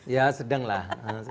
ya sedang lah